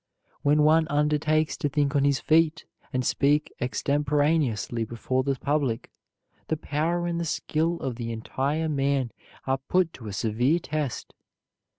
When one undertakes to think on his feet and speak extemporaneously before the public, the power and the skill of the entire man are put to a severe test.